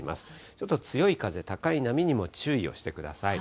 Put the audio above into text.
ちょっと強い風、高い波にも注意をしてください。